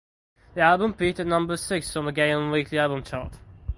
The album peaked at number six on the Gaon weekly album chart.